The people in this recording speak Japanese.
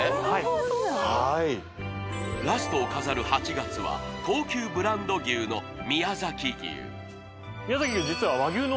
はいラストを飾る８月は高級ブランド牛の宮崎牛宮崎牛